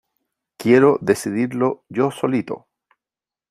¡Quiero decidirlo yo solito!